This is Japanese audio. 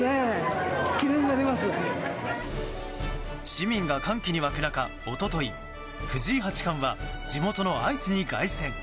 市民が歓喜に沸く中一昨日、藤井八冠は地元の愛知に凱旋。